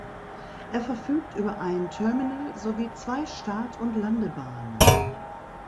Er verfügt über ein Terminal sowie zwei Start- und Landebahnen.